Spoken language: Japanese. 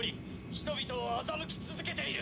人々を欺き続けている！